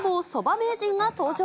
名人が登場。